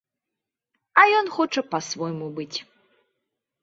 А ён хоча па-свойму быць.